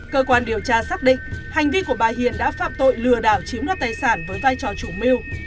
cơ quan điều tra xác định hành vi của bà hiền đã phạm tội lừa đảo chiếm đoạt tài sản với vai trò chủ mưu